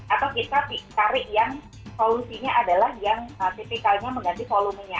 atau kita cari yang solusinya adalah yang tipikalnya mengganti volumenya